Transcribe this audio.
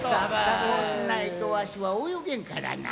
そうしないとわしはおよげんからな。